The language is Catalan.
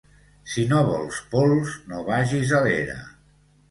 Si no vols pols, no vagis a l'era